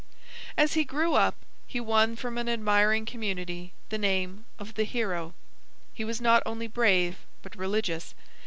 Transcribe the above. As he grew up he won from an admiring community the name of 'The Hero.' He was not only brave but religious.